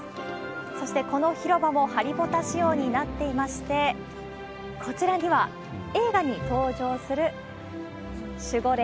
そしてこの広場もハリポタ仕様になっていまして、こちらには映画に登場する守護霊、